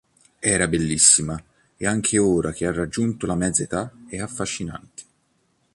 Era bellissima e anche ora che ha raggiunto la mezza età è affascinante.